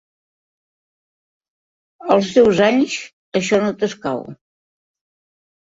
Als teus anys, això no t'escau.